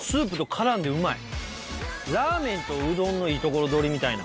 ラーメンとうどんのいいところ取りみたいな。